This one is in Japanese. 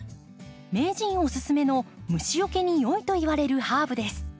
名人おすすめの虫よけによいといわれるハーブです。